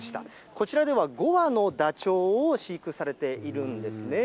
こちらでは５羽のダチョウを飼育されているんですね。